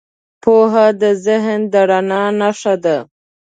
پوهه د ذهن د رڼا نښه ده.